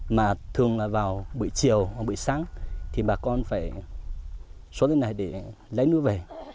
mà thường là vào buổi chiều hoặc buổi sáng thì bà con phải xuống cái này để lấy nước về